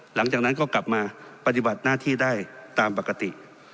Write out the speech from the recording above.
หลังจากนั้นก็กลับมาปฏิบัติหน้าที่ได้ตามปกติ